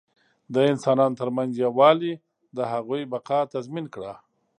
د انسانانو تر منځ یووالي د هغوی بقا تضمین کړه.